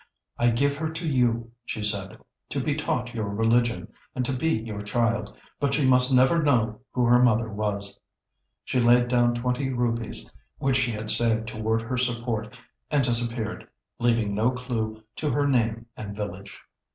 "I give her to you," she said, "to be taught your religion, and to be your child, but she must never know who her mother was." She laid down twenty rupees which she had saved toward her support, and disappeared, leaving no clue to her name and village.